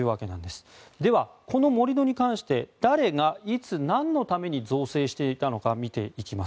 では、この盛り土に関して誰がいつ、なんのために造成していたのか見ていきます。